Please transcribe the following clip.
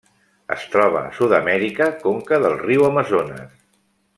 Es troba a Sud-amèrica: conca del riu Amazones.